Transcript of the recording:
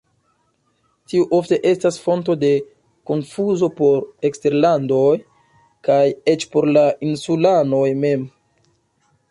Tiu ofte estas fonto de konfuzo por eksterlandanoj, kaj eĉ por la insulanoj mem.